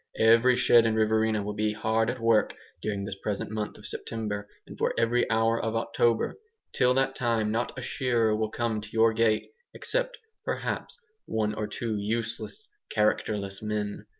Every shed in Riverina will be hard at work during this present month of September and for every hour of October. Till that time not a shearer will come to your gate, except, perhaps, one or two useless, characterless men.